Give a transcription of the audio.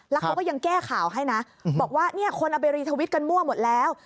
แล้วเขาก็ยังแก้ข่าวให้นะบอกว่าเนี่ยคนเอาไปรีทวิตกันมั่วหมดแล้ว